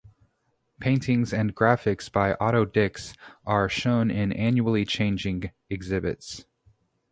Paintings and graphics by Otto Dix are shown in annually changing exhibitions.